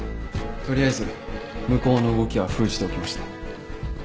取りあえず向こうの動きは封じておきました。